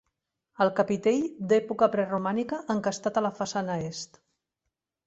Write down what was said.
El capitell d'època preromànica encastat a la façana est.